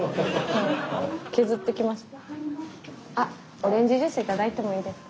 あオレンジジュース頂いてもいいですか。